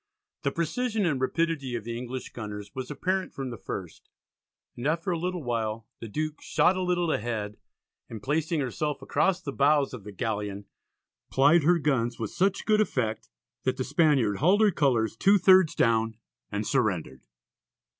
The precision and rapidity of the English gunners was apparent from the first, and after a little while the Duke "shot a little ahead" and placing herself across the bows of the galleon, plied her guns with such good effect that the Spaniard hauled her colours "two thirds down" and surrendered.